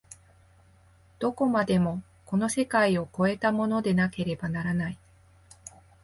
どこまでもこの世界を越えたものでなければならない。